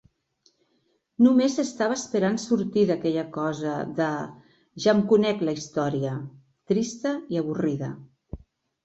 Només estava esperant sortir d'aquella cosa de "ja em conec la història", trista i avorrida.